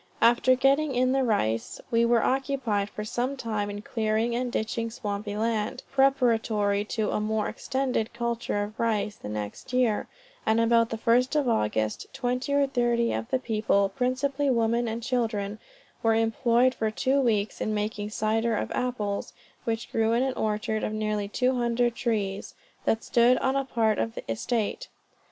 After getting in the rice, we were occupied for some time in clearing and ditching swampy land, preparatory to a more extended culture of rice the next year; and about the first of August, twenty or thirty of the people, principally women and children, were employed for two weeks in making cider, of apples which grew in an orchard of nearly two hundred trees, that stood on a part of the estate.